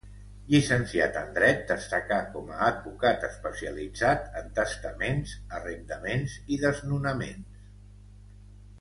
Llicenciat en dret, destacà com a advocat especialitzat en testaments, arrendaments i desnonaments.